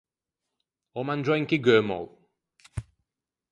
Ò mangiou un chigheumao.